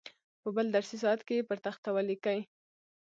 په بل درسي ساعت کې یې پر تخته ولیکئ.